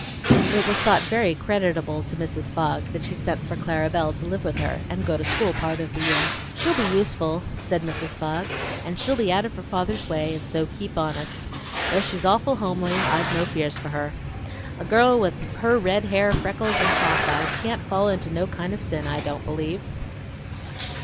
It was thought very creditable to Mrs. Fogg that she sent for Clara Belle to live with her and go to school part of the year. "She'll be useful" said Mrs. Fogg, "and she'll be out of her father's way, and so keep honest; though she's no awful hombly I've no fears for her. A girl with her red hair, freckles, and cross eyes can't fall into no kind of sin, I don't believe."